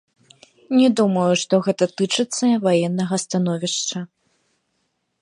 Не думаю, што гэта тычыцца ваеннага становішча.